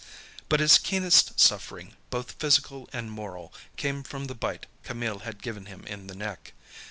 But his keenest suffering, both physical and moral, came from the bite Camille had given him in the neck.